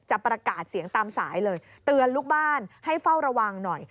ประกาศเสียงตามสายเลยเตือนลูกบ้านให้เฝ้าระวังหน่อย